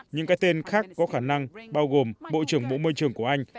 những cái tên khác có khả năng bao gồm bộ trưởng bộ môi trường của anh